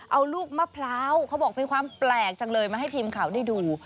เอาลูกมะพร้าวเขาบอกเป็นความแปลกจังเลยมาให้ทีมข่าวได้ดู